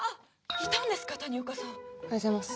いたんですか谷岡さん。おはようございます。